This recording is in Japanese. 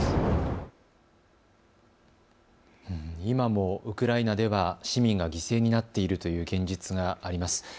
今もウクライナでは市民が犠牲になっているという現実があります。